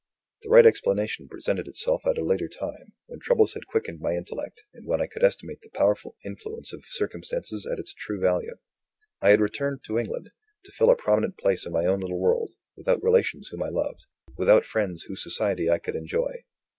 The right explanation presented itself at a later time, when troubles had quickened my intellect, and when I could estimate the powerful influence of circumstances at its true value. I had returned to England, to fill a prominent place in my own little world, without relations whom I loved, without friends whose society I could enjoy.